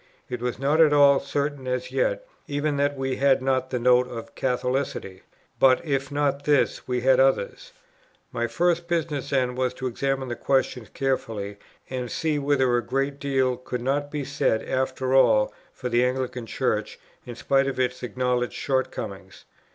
It was not at all certain as yet, even that we had not the Note of Catholicity; but, if not this, we had others. My first business then, was to examine this question carefully, and see, whether a great deal could not be said after all for the Anglican Church, in spite of its acknowledged short comings.